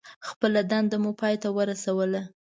خپله دنده مو پای ته ورسوله.